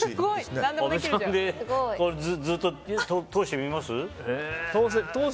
ずっと通してみます？